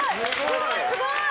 すごいすごい！